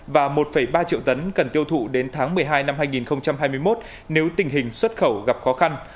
và một ba triệu tấn cần tiêu thụ đến tháng một mươi hai năm hai nghìn hai mươi một nếu tình hình xuất khẩu gặp khó khăn